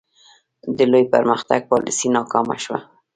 د لوی پرمختګ پالیسي ناکامه شوه.